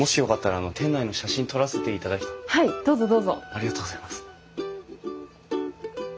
ありがとうございます。